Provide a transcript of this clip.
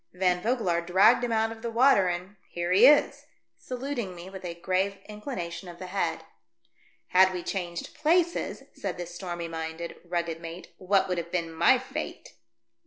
Van Vogelaar dragged him out of the water, and — here he is!" saluting me with a grave inclination of the head. "Had we changed places," said the stormy minded, rugged mate, " what would have been my fate